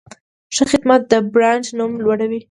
ښه خدمت د برانډ نوم لوړوي.